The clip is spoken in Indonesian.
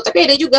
tapi ada juga